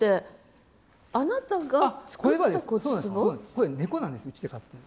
これ猫なんですうちで飼ってる。